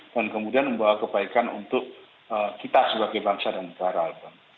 dan kemudian membawa kebaikan untuk kita sebagai bangsa dan negara pak